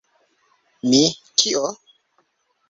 Mi... kio?